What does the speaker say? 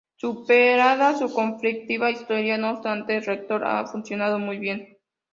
Superada su conflictiva historia, no obstante, el reactor ha funcionado muy bien.